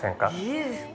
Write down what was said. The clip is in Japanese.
いいですか？